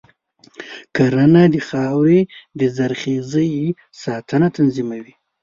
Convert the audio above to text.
کرنه د خاورې د زرخیزۍ ساتنه تضمینوي.